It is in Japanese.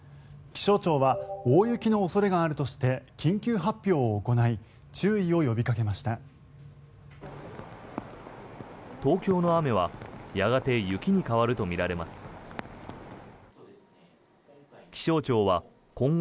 気象庁は大雪の恐れがあるとして緊急発表を行い注意を呼びかけました。